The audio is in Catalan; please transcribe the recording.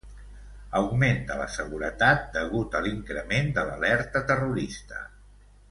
Augment de la seguretat degut a l'increment de l'alerta terrorista.